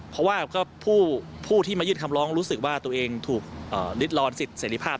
เพราะว่าผู้ที่มายื่นคำร้องรู้สึกว่าตัวเองถูกริดร้อนสิทธิเสร็จภาพ